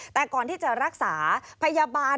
แต่ก่อนที่จะรักษาพยาบาล